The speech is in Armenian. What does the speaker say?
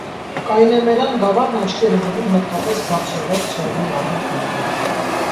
Կայնեմերան գավառն աչքի էր ընկնում հատկապես բարձրորակ ցորենի առատ բերքով։